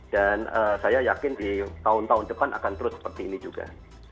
dan saya yakin di tahun tahun depan akan terus seperti ini juga